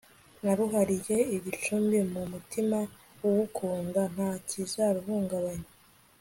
naruhariye igicumbi mu mutima ugukundanta kizaruhungabanya